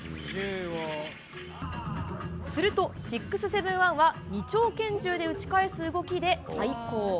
すると、６７１は二丁拳銃で撃ち返す動きで対抗。